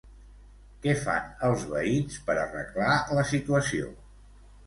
Què fan els veïns per arreglar la situació?